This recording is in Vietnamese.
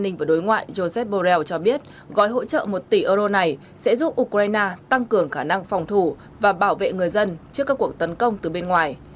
an ninh và đối ngoại joseph borrell cho biết gói hỗ trợ một tỷ euro này sẽ giúp ukraine tăng cường khả năng phòng thủ và bảo vệ người dân trước các cuộc tấn công từ bên ngoài